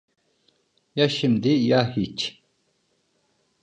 Ya şimdi ya hiç.